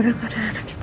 gimana keadaan anak kita